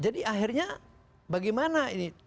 jadi akhirnya bagaimana